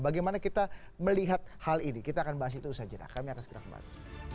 bagaimana kita melihat hal ini kita akan bahas itu usaha jeda kami akan segera kembali